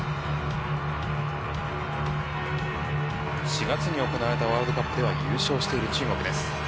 ４月に行われたワールドカップでは優勝している中国です。